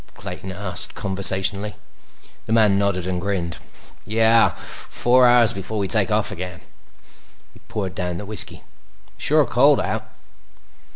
Clayton asked conversationally. The man nodded and grinned. "Yeah. Four hours before we take off again." He poured down the whiskey. "Sure cold out."